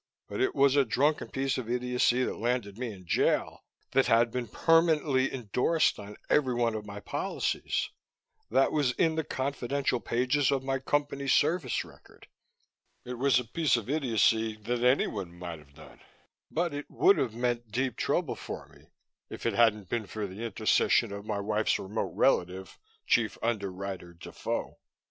But it was a drunken piece of idiocy that landed me in jail, that had been permanently indorsed on every one of my policies, that was in the confidential pages of my Company service record. It was a piece of idiocy that anyone might have done. But it would have meant deep trouble for me, if it hadn't been for the intercession of my wife's remote relative, Chief Underwriter Defoe.